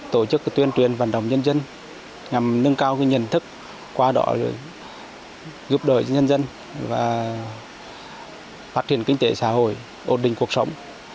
tổ chức tuyên truyền vận động nhân dân nhằm nâng cao nhận thức qua đó giúp đỡ nhân dân và phát triển kinh tế xã hội ổn định cuộc sống